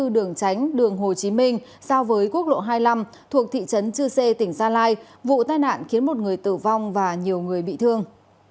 đường tránh đường hồ chí minh giao với quốc lộ hai mươi năm thuộc thị trấn chư sê tỉnh gia lai vụ tai nạn khiến một người tử vong và nhiều người bị thương